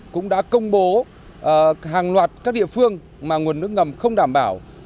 cũng đã công bố hàng loạt các địa phương mà nguồn nước ngầm không đảm bảo